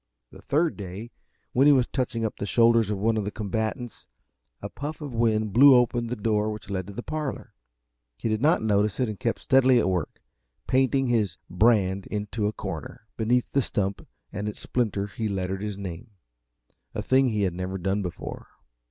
The third day, when he was touching up the shoulders of one of the combatants, a puff of wind blew open the door which led to the parlor. He did not notice it and kept steadily at work, painting his "brand" into a corner. Beneath the stump and its splinter he lettered his name a thing he had never done before.